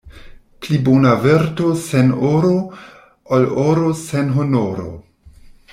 Pli bona virto sen oro, ol oro sen honoro.